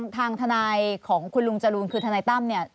ทางทนายของคุณลุงจรูนคือทนายตั้มเนี่ย